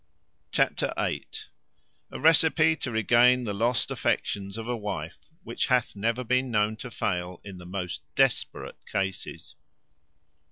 Chapter viii. A receipt to regain the lost affections of a wife, which hath never been known to fail in the most desperate cases.